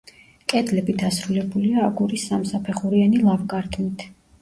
კედლები დასრულებულია აგურის სამსაფეხურიანი ლავგარდნით.